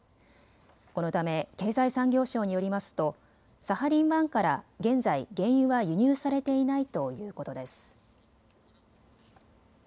このため経済産業省によりますとサハリン１から現在、原油は輸入されていないということです。